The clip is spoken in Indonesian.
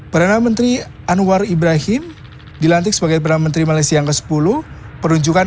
perdana menteri anwar ibrahim dilantik sebagai perdana menteri malaysia yang ke sepuluh peruncukan